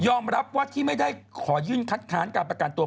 รับว่าที่ไม่ได้ขอยื่นคัดค้านการประกันตัว